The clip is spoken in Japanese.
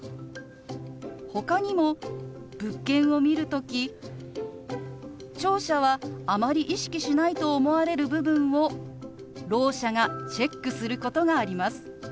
ほかにも物件を見る時聴者はあまり意識しないと思われる部分をろう者がチェックすることがあります。